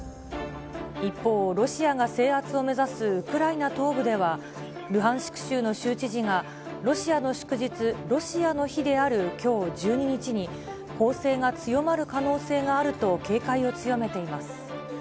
一方、ロシアが制圧を目指すウクライナ東部では、ルハンシク州の州知事がロシアの祝日、ロシアの日であるきょう１２日に、攻勢が強まる可能性があると警戒を強めています。